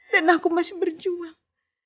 dan aku masih berjuang